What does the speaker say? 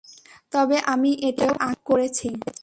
তবে, আমি এটা আগেও করেছি।